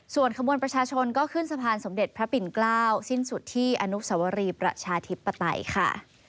ส่วนขบวนประชาชนก็ขึ้นสะพานสมเด็จพระปิ่นเกล้าสิ้นสุดที่อนุสวรีประชาธิปไตยค่ะ